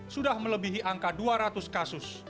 sudah melebihi angka dua ratus kasus